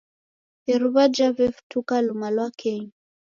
Iruwa jawefutuka luma lwa kesho.